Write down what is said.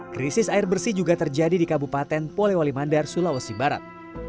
krisis air bersih juga terjadi di kabupaten polewali mandar sulawesi barat